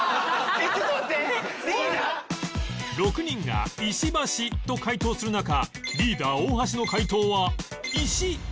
６人が「石橋」と解答する中リーダー大橋の解答は「石」